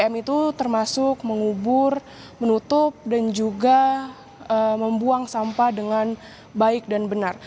tiga m itu termasuk mengubur menutup dan juga membuang sampah dengan baik dan benar